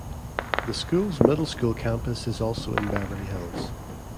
The school's middle school campus is also in Beverly Hills.